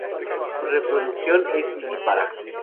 Su reproducción es vivípara.